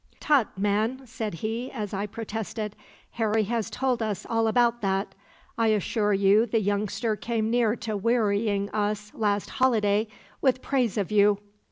Tut, man!' said he, as I protested. 'Harry has told us all about that. I assure you the youngster came near to wearying us, last holiday, with praise of you.'"